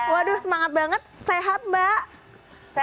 waduh semangat banget sehat mbak